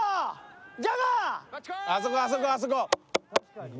あそこあそこあそこ。